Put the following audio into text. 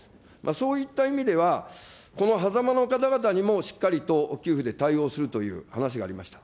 そういった意味では、このはざまの方々にもしっかりと給付で対応するという話がありました。